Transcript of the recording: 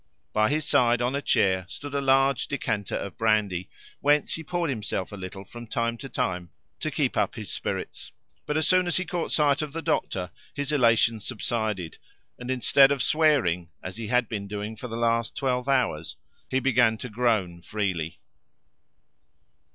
By his side on a chair stood a large decanter of brandy, whence he poured himself a little from time to time to keep up his spirits; but as soon as he caught sight of the doctor his elation subsided, and instead of swearing, as he had been doing for the last twelve hours, began to groan freely.